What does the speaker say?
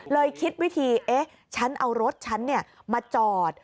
เลยคิดวิธีเอ๊ะฉันเอารถฉันเนี่ยมาจอด